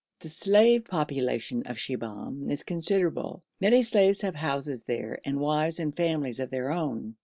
The slave population of Shibahm is considerable; many slaves have houses there, and wives and families of their own.